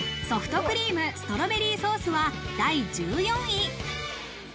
ソフトクリームストロベリーソースは第１４位。